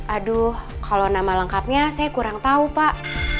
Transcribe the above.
aduh kalau nama lengkapnya saya kurang tahu pak